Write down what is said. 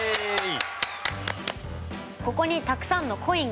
ここにたくさんのコインがあります。